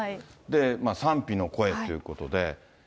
賛否の声っていうことで。